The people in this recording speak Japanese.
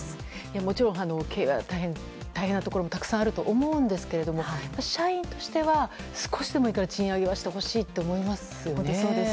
もちろん、大変なところもたくさんあると思うんですが社員としては、少しでもいいから賃上げはしてほしいと思いますよね。